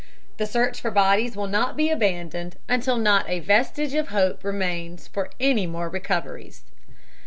The search for bodies will not be abandoned until not a vestige of hope remains for any more recoveries.